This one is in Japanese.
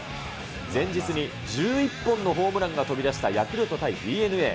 前日に１１本のホームランが飛び出したヤクルト対ＤｅＮＡ。